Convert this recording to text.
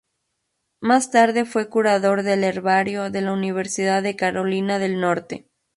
Más tarde fue curador del Herbario de la Universidad de Carolina del Norte.